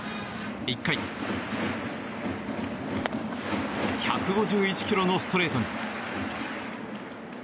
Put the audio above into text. １回１５１キロのストレートに。